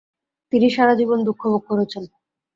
তিনি সারা জীবন দুঃখভোগ করেছেন।